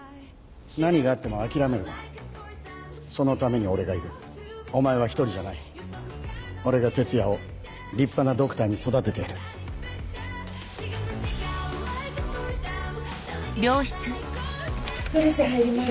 何があっても諦めるなそのために俺がいるお前は１人じゃな俺が哲也を立派なドクターに育ててやるストレッチャー入ります。